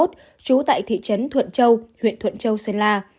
trú tại thị trấn thuận châu huyện thuận châu sơn la